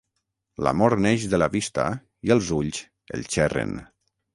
L'amor neix de la vista i els ulls el xerren.